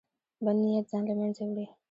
بد نیت ځان له منځه وړي.